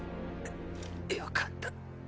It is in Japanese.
っよかった。